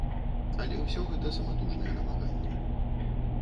Але ўсё гэта саматужныя намаганні.